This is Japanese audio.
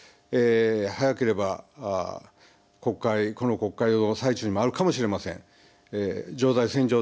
早ければこの国会の最中にあるかもしれません。